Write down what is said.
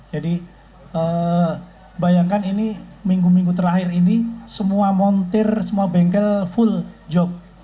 jadi bayangkan ini minggu minggu terakhir ini semua montir semua bengkel full job